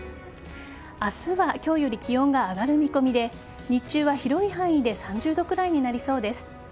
明日は今日より気温が上がる見込みで日中は、広い範囲で３０度くらいになりそうです。